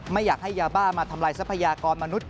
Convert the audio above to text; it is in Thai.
ไม่อยากให้ยาบ้ามาทำลายทรัพยากรมนุษย